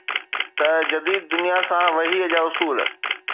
ته جديد دنيا سان وحي جا اصول